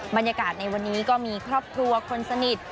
บรรยากาศในวันนี้ก็มีครอบครัวคนสนิท